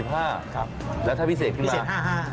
๔๕บาทครับแล้วถ้าพิเศษขึ้นมาพิเศษ๕๕บาท